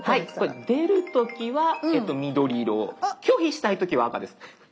出る時は緑色拒否したい時は赤です。